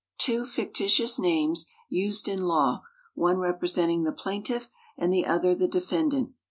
= Two fictitious names, used in law, one representing the plaintiff and the other the defendant.